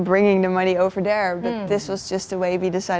tapi ini adalah cara kami memutuskan untuk melakukannya